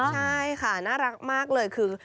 ใช่ค่ะน่ารักมากเลยคือ